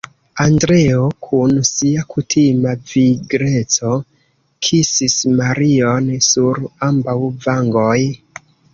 Andreo, kun sia kutima vigleco kisis Marion sur ambaŭ vangoj.